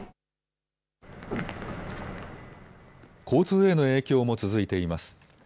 交通への影響も続いています。